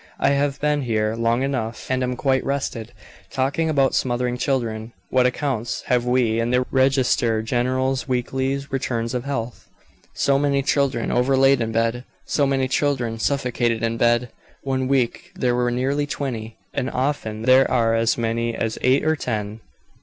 "I have been here long enough, and am quite rested. Talking about smothering children, what accounts have we in the registrar general's weekly returns of health! So many children 'overlaid in bed,' so many children 'suffocated in bed.' One week there were nearly twenty; and often there are as many as eight or ten.